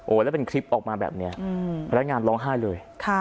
โอ้แล้วเป็นคลิปออกมาแบบเนี่ยแล้วงานร้องไห้เลย